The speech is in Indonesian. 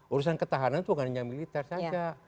urusan ketahanan itu bukan hanya militer saja